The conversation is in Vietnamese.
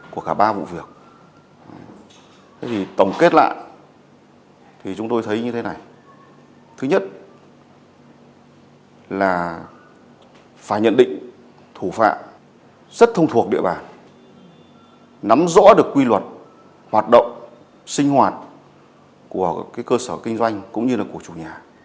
chúng tôi thấy như thế này thứ nhất là phải nhận định thủ phạm rất thông thuộc địa bàn nắm rõ được quy luật hoạt động sinh hoạt của cơ sở kinh doanh cũng như của chủ nhà